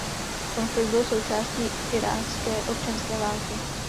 Konflikt byl součástí irácké občanské války.